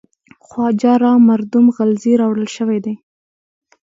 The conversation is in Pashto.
خواجه را مردم غلزی راوړل شوی دی.